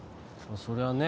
そりゃあね